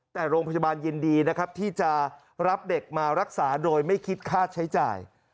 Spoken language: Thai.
แต่โรงพยาบาลยินดีนะครับที่จะรับเด็กมารักษาโดยไม่คิดค่าใช้จ่าย